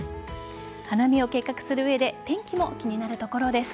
花見を計画する上で天気も気になるところです。